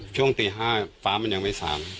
ช่วงตี๕ฟ้ามันยังไม่สาม